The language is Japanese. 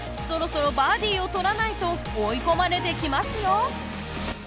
そろそろバーディを取らないと追い込まれてきますよ。